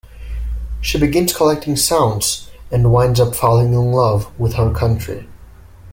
She begins collecting sounds and winds up falling in love with her country.